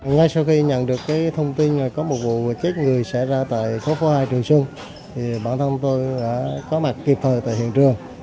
ngay sau khi nhận được thông tin có một vụ chết người xảy ra tại phố hai trường xuân bản thân tôi đã có mặt kịp thời tại hiện trường